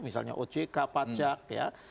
misalnya ojk pajak